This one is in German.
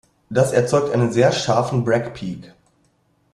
Das erzeugt einen sehr scharfen Bragg-Peak.